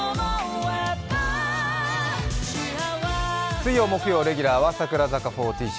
水曜・木曜レギュラーは櫻坂４６